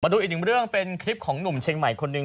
ดูอีกหนึ่งเรื่องเป็นคลิปของหนุ่มเชียงใหม่คนหนึ่ง